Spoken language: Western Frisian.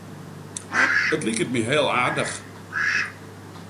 It liket my heel aardich.